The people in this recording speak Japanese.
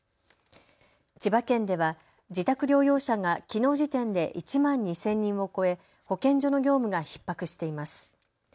千葉県では自宅療養者がきのう時点で１万２０００人を超え、保健所の業務がひっ迫しています。